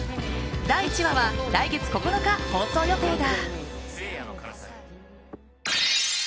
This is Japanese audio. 第１話は来月９日放送予定だ。